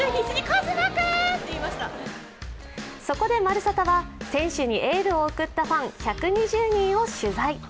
そこで「まるサタ」は選手にエールを送ったファン１２０人を取材。